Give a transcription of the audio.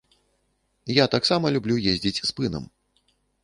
Я таксама люблю ездзіць спынам.